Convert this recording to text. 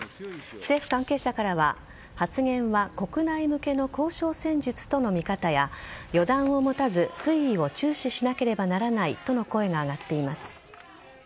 政府関係者からは発言は国内向けの交渉戦術との見方や予断を持たず推移を注視しなければならないとの声が上がっています。